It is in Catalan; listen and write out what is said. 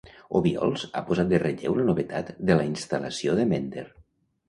Obiols ha posat de relleu la novetat de la instal·lació de Mender.